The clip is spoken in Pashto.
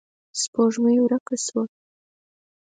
سپوږمۍ ورکه شوه.